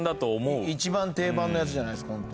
一番定番のやつじゃないですか。